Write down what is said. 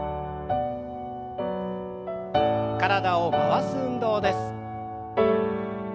体を回す運動です。